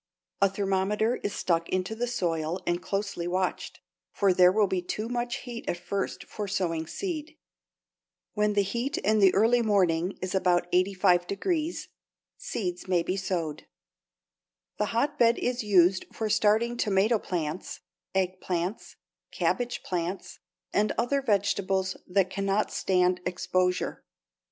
A thermometer is stuck into the soil and closely watched, for there will be too much heat at first for sowing seed. When the heat in the early morning is about 85°, seeds may be sowed. The hotbed is used for starting tomato plants, eggplants, cabbage plants, and other vegetables that cannot stand exposure.